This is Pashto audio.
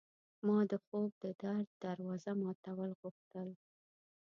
ما د خوب د در د دوازو ماتول غوښته